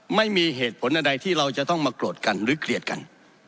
ไม่มีเหตุผลอะไรที่เราจะต้องมาโกรธกันหรือเกลียดกัน